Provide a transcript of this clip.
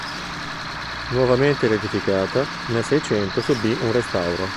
Nuovamente riedificata, nel Seicento subì un restauro.